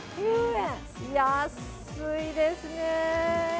安いですね。